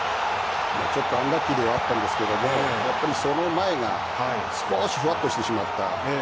ちょっとアンラッキーではあったんですがやっぱり、その前がすこしふわっとしてしまった。